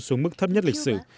xuống mức thấp nhất lịch sử